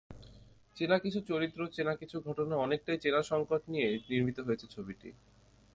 চেনা কিছু চরিত্র, চেনা কিছু ঘটনা, অনেকটাই চেনা সংকট নিয়েই নির্মিত হয়েছে ছবিটি।